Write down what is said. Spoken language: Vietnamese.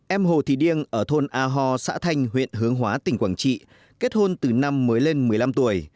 em hồ thị điêng ở thôn a hò xã thanh huyện hướng hóa tỉnh quảng trị kết hôn từ năm mới lên một mươi năm tuổi